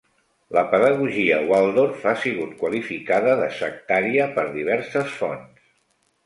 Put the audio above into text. La pedagogia Waldorf ha sigut qualificada de sectària per diverses fonts.